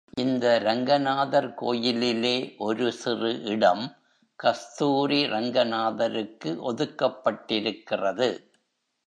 இந்த ரங்கநாதர் கோயிலிலே ஒரு சிறு இடம், கஸ்தூரி ரங்கநாதருக்கு ஒதுக்கப்பட்டிருக்கிறது.